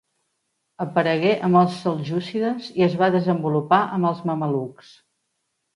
Aparegué amb els seljúcides i es va desenvolupar amb els mamelucs.